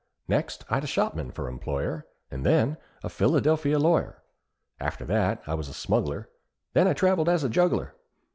Next I'd a shopman for employer, And then a Philadelphia lawyer. After that I was a smuggler, Then I travelled as a juggler.